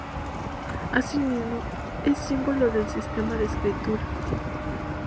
Asimismo, es símbolo del sistema de escritura.